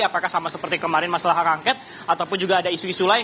apakah sama seperti kemarin masalah hak angket ataupun juga ada isu isu lain